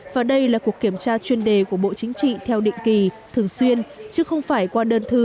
và đây là cuộc kiểm tra chuyên đề của bộ chính trị theo định kỳ thường xuyên chứ không phải qua đơn thư